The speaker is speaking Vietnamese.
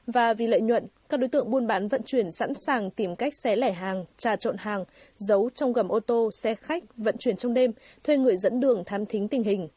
và vì lợi nhuận các đối tượng buôn bán vận chuyển hàng lậu hàng giả vẫn tiếp tục gia tăng